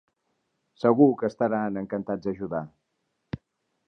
Segur que estaran encantats d'ajudar.